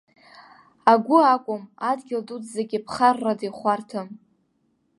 Агәы акәым, адгьыл дуӡӡагьы ԥхаррада ихәарҭам.